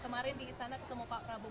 kemarin di istana ketemu pak prabowo